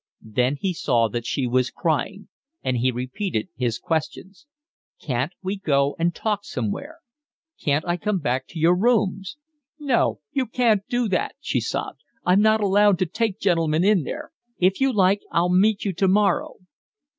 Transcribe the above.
Then he saw that she was crying, and he repeated his question. "Can't we go and talk somewhere? Can't I come back to your rooms?" "No, you can't do that," she sobbed. "I'm not allowed to take gentlemen in there. If you like I'll meet you tomorrow."